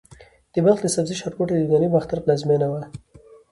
د بلخ د سبزې ښارګوټي د یوناني باختر پلازمېنه وه